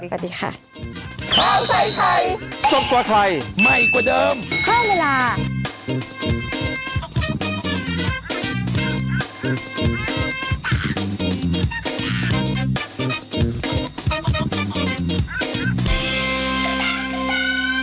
สวัสดีค่ะ